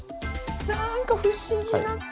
なんか不思議な。